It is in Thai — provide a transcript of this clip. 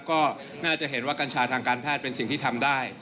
ก็น่าจะเห็นว่ากัญชาทางการแพทย์เป็นสิ่งที่ทำได้